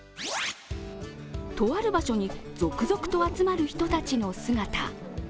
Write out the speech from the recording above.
とある場所に続々と集まる人たちの姿。